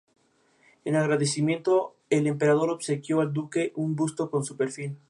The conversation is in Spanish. En agradecimiento el emperador obsequió al duque un busto con su perfil.